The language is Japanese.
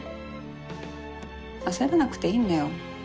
焦らなくていいんだよ。